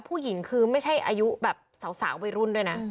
ผู้หญิงคือไม่ใช่อายุแบบสาววัยรุ่นด้วยนะ